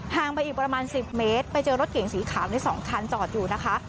งไปอีกประมาณ๑๐เมตรไปเจอรถเก่งสีขาวใน๒คันจอดอยู่นะคะ